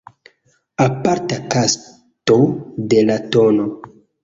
Aparta kasto de la tn.